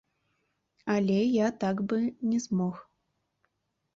Але я так бы не змог.